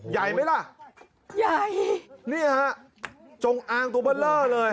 ใหญ่ไหมล่ะใหญ่นี่ฮะจงอางตัวเบอร์เลอร์เลย